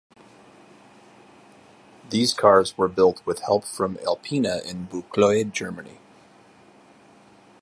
These cars were built with help from Alpina in Buchloe, Germany.